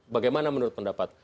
bagaimana menurut pendapat